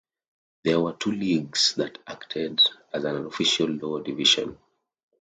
There were two leagues that acted as an unofficial lower division.